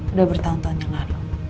udah bertahun tahun yang lalu